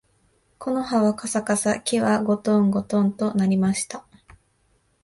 木の葉はかさかさ、木はごとんごとんと鳴りました